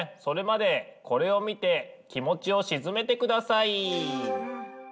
それまでこれを見て気持ちを静めてください。